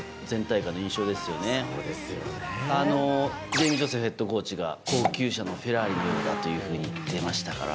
ジェイミー・ジョセフヘッドコーチが高級車のフェラーリのようだと言っていましたから。